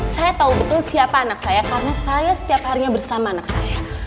saya tahu betul siapa anak saya karena saya setiap harinya bersama anak saya